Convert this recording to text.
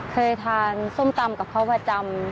เคยทานส้มตำกับเขาประจำ